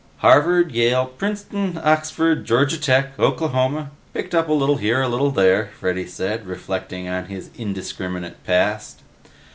"Harvard, Yale, Princeton, Oxford, Georgia Tech, Oklahoma. Picked up a little here, a little there," Freddy said, reflecting on his indiscriminate past.